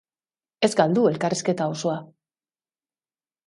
Ez galdu elkarrizketa osoa.